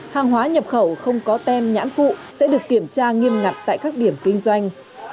hàng hóa nhập khẩu không có tem nhãn phụ sẽ được kiểm tra nghiêm ngặt tại các điểm kinh doanh